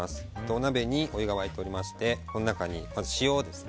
お鍋にお湯が沸いておりましてこの中に、まず塩です。